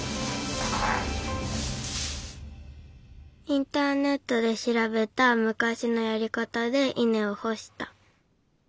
インターネットでしらべたむかしのやりかたで稲をほした。